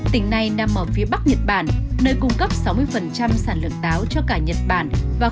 tỉnh này nằm ở phía bắc nhật bản nơi cung cấp sáu mươi sản lượng táo cho các nhà nông sản